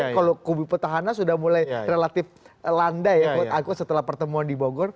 kalau kubu petahana sudah mulai relatif landai setelah pertemuan di bogor